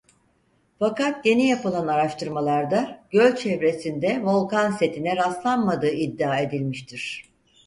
Fakat yeni yapılan araştırmalarda göl çevresinde volkan setine rastlanmadığı iddia edilmiştir.